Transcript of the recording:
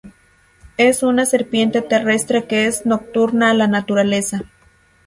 Es una serpiente terrestre que es nocturna en la naturaleza.